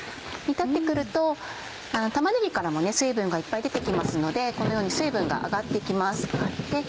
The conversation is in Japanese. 煮立って来ると玉ねぎからも水分がいっぱい出て来ますのでこのように水分が上がって来ます。